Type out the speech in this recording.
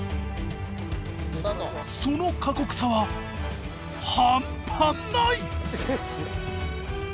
その過酷さは半端ない！